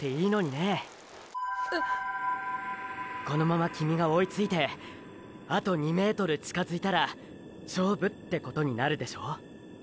えこのままキミが追いついてあと２ｍ近づいたら“勝負”ってことになるでしょ？